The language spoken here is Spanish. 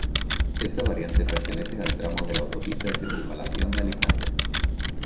Esta variante pertenece al tramo de la autopista de Circunvalación de Alicante.